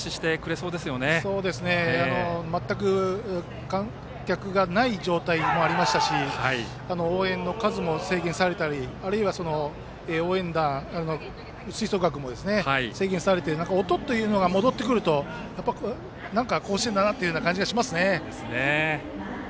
そうですね、全く観客がない状態もありましたし応援の数も制限されたりあるいは応援団吹奏楽も制限されて音というのが戻ってくると、何か甲子園だなという感じがしますね。